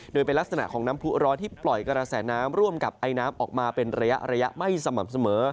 โดยเป็นลักษณะของน้ำผู้ร้อนที่ปล่อยกระแสน้ำร่วมกับไอน้ำออกมาเป็นระยะไม่สม่ำเสมอ